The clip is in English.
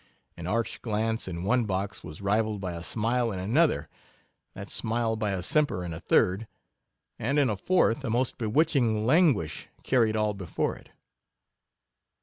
An arch glance in one box was rivalled by a smile in another, that smile by a simper in a third, and in a fourth a most bewitching languish carried all before it.